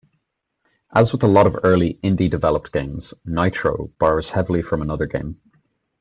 As with a lot of early, indie-developed games, "Nitro" borrows heavily from another game.